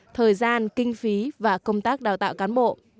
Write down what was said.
thời gian kinh phí và công tác đào tạo cán bộ